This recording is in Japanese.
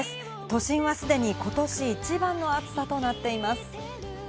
都心はすでに今年一番の暑さとなっています。